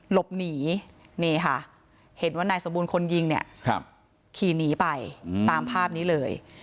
หลบหนีนี่ค่ะเห็นว่านายสมบูรณ์คนยิงเนี่ยขี่หนีไปตามภาพนี้เลย